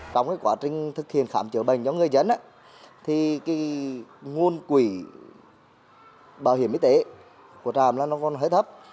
trong quá trình thực hiện khám chữa bệnh cho người dân nguồn quỷ bảo hiểm y tế của trạm còn hơi thấp